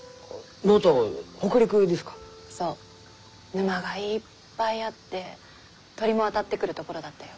沼がいっぱいあって鳥も渡ってくる所だったよ。